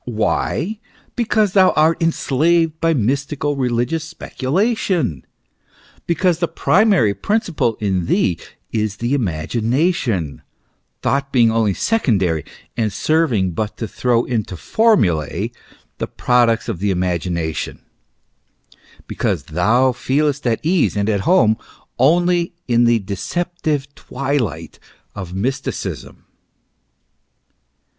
Why, but because thou art enslaved by mystical religious speculation, because the primary principle in thee is the imagination, thought being only secondary and serving but to throw into formulae the products of the imagination, because thou feelest at ease and at home only in the deceptive twilight of mysticism.